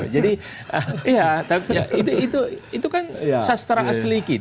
jadi ya itu kan sastra asli kita